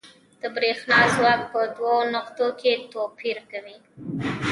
د برېښنا ځواک په دوو نقطو کې توپیر کوي.